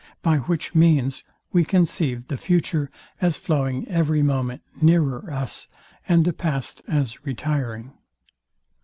By which means we conceive the future as flowing every moment nearer us, and the past as retiring.